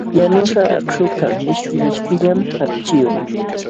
Yanuśhqa akśhukaq mishki mishkillam hapchiyuq.